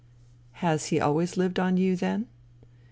" Has he always lived on you, then